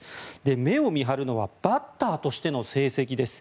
目を見張るのはバッターとしての成績です。